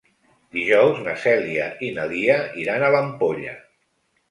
Dijous na Cèlia i na Lia iran a l'Ampolla.